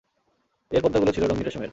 এর পর্দাগুলো ছিল রঙিন রেশমের।